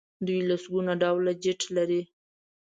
دوی لسګونه ډوله جیټ لري.